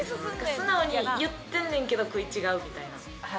素直に言ってんねんけど食い違うみたいな。